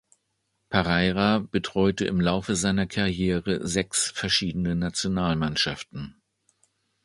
Parreira betreute im Laufe seiner Karriere sechs verschiedene Nationalmannschaften.